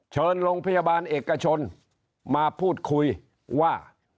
เชิญโรงพยาบาลเอกชนมาพูดคุยว่า